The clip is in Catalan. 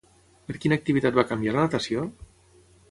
Per quina activitat va canviar la natació?